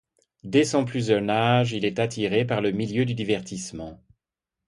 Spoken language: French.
Dès son plus jeune âge, elle est attirée par le milieu du divertissement.